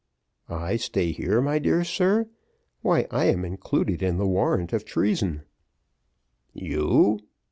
"I stay here, my dear sir, why I am included in the warrant of treason." "You?"